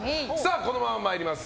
このまま参ります。